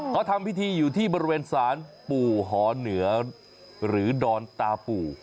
เขาทำพิธีอยู่ที่บริเวณศาลปู่หอเหนือหรือดอนตาปู่